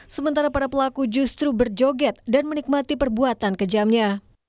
sementara para pelaku justru berjoget dan menikmati perbuatan kejamnya